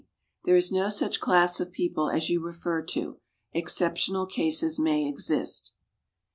H. A. There is no such class of people as you refer to. Exceptional cases may exist.